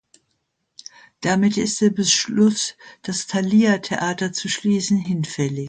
Damit ist der Beschluss, das Thalia-Theater zu schließen, hinfällig.